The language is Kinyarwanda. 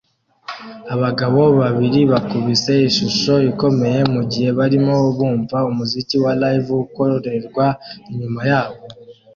Abagabo babiri bakubise ishusho ikomeye mugihe barimo bumva umuziki wa Live ukorerwa inyuma yabo